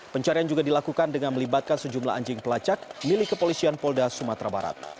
pencarian juga dilakukan dengan melibatkan sejumlah anjing pelacak milik kepolisian polda sumatera barat